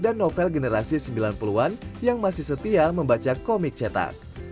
dan novel generasi sembilan puluh an yang masih setia membaca komik cetak